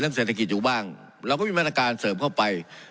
เรื่องเศรษฐกิจอยู่บ้างเราก็มีแม่นการเสริมเข้าไป